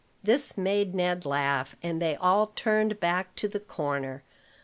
This made Ned laugh, and they all turned back to the corner.